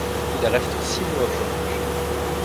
Il reste six mois au chômage.